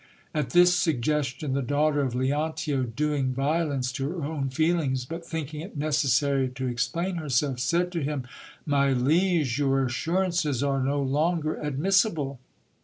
At this suggestion the daughter of Leontio, doing violence to her own feelings, but thinking it necessary to explain herself, said to him — My liege, your assurances are no longer admissible.